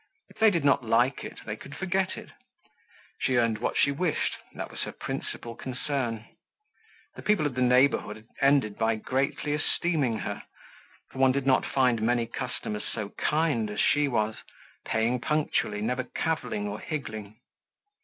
If they did not like it, they could forget it. She earned what she wished, that was her principal concern. The people of the neighborhood had ended by greatly esteeming her, for one did not find many customers so kind as she was, paying punctually, never caviling or higgling.